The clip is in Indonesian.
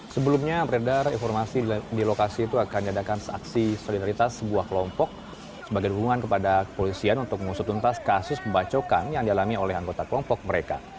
sebelumnya beredar informasi di lokasi itu akan diadakan aksi solidaritas sebuah kelompok sebagai dukungan kepada kepolisian untuk mengusutuntas kasus pembacokan yang dialami oleh anggota kelompok mereka